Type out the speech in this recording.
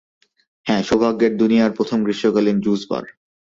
হ্যাঁ, সৌভাগ্যের দুনিয়ায় প্রথম গ্রীষ্মকালিন জুস বার।